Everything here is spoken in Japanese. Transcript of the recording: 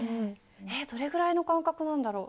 えどれぐらいの間隔なんだろう？